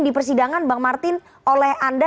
di persidangan bang martin oleh anda